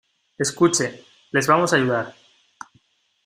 escuche, les vamos a ayudar.